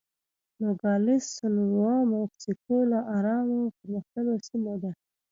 نوګالس سونورا د مکسیکو له ارامو او پرمختللو سیمو ده.